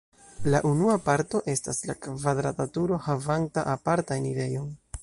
La unua parto estas la kvadrata turo havanta apartan enirejon.